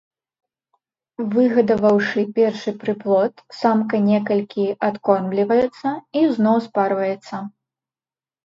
Выгадаваўшы першы прыплод, самка некалькі адкормліваецца і зноў спарваецца.